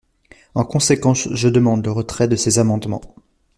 En conséquence, je demande le retrait de ces amendements.